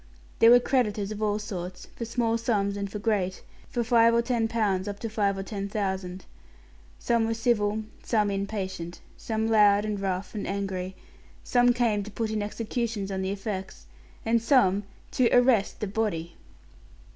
There were creditors of all sorts; for small sums and for great, for five or ten pounds up to five or ten thousand. Some were civil, some impatient, some loud and rough and angry; some came to put in executions on the effects, and some to arrest the body!